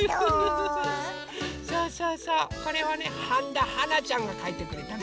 そうそうそうこれはねはんだはなちゃんがかいてくれたの。